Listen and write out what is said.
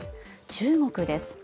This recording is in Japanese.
中国です。